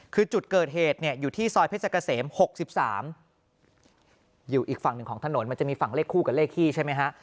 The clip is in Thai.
คือจุดเกิดเหตุเนี่ยอยู่ที่ซอยเพชรเกษม๖๓อยู่อีกฝั่งหนึ่งของถนนมันจะมีฝั่งเลขคู่กับเลขที่ใช่ไหมฮะ